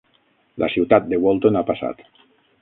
La ciutat de Walton ha passat.